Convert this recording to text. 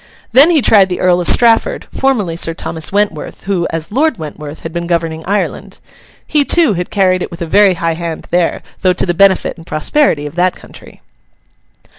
Then he tried the Earl of Strafford, formerly Sir Thomas Wentworth; who, as Lord Wentworth, had been governing Ireland. He, too, had carried it with a very high hand there, though to the benefit and prosperity of that country.